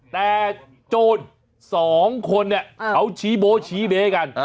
แต่โจร๒คนเนี่ยเขาชี้โบ๊ชี้เบ๊กัน